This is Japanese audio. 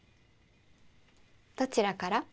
どちらから？